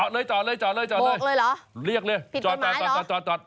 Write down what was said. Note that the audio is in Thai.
โบกเลยเหรอพิดกันไหมหรอ